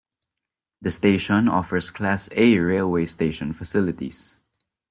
The station offers Class A railway station facilities.